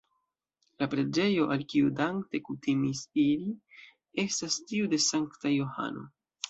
La preĝejo, al kiu Dante kutimis iri, estas tiu de Sankta Johano.